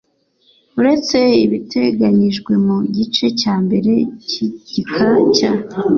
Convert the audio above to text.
Uretse ibiteganyijwe mu gice cya mbere cy'igika cya